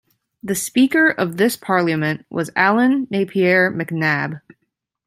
The Speaker of this parliament was Allan Napier MacNab.